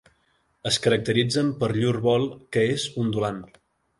Es caracteritzen per llur vol que és ondulant.